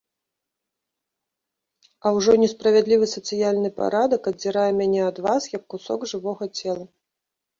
А ўжо несправядлівы сацыяльны парадак аддзірае мяне ад вас, як кусок жывога цела.